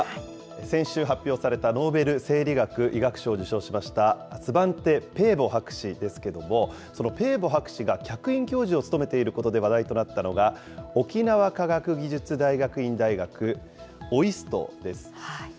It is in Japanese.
先週発表された、ノーベル生理学・医学賞を受賞しました、スバンテ・ペーボ博士ですけれども、そのペーボ博士が客員教授を務めていることで話題となったのが、沖縄科学技術大学院大学、ＯＩＳＴです。